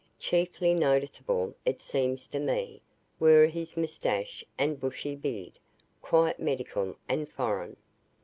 Chiefly noticeable, it seems to me, were his mustache and bushy beard, quite medical and foreign.